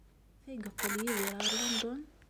Maɣef ay yeqqel Yidir ɣer London?